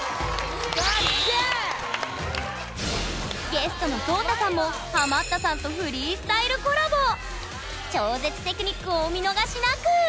ゲストのＳＯＴＡさんもハマったさんと超絶テクニックをお見逃しなく！